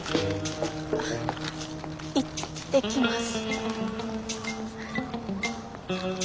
あっ行ってきます。